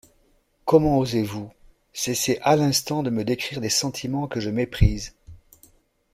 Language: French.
«Comment osez-vous ?… Cessez à l’instant de me décrire des sentiments que je méprise.